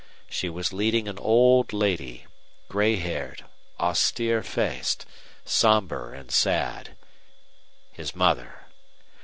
She was leading an old lady, gray haired, austere faced, somber and sad. His mother!